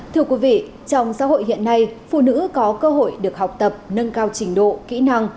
thưa quý vị trong xã hội hiện nay phụ nữ có cơ hội được học tập nâng cao trình độ kỹ năng